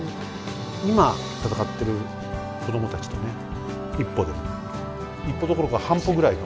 今戦ってる子供たちとね一歩でも一歩どころか半歩ぐらい。